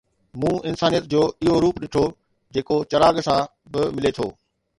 مون انسانيت جو اهو روپ ڏٺو، جيڪو چراغ سان به ملي ٿو